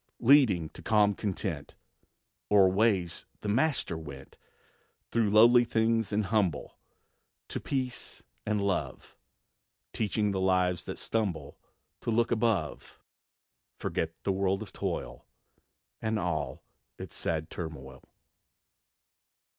Leading to calm content, O'er ways the Master went, Through lowly things and humble, To peace and love; Teaching the lives that stumble To look above, Forget the world of toil And all its sad turmoil.